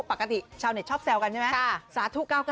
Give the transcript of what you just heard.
ปกติชาวเน็ตชอบแซวกันใช่ไหมสาธุ๙๙